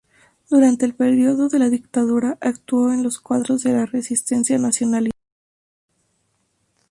Durante el período de la dictadura actuó en los cuadros de la resistencia nacionalista.